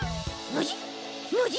ノジ？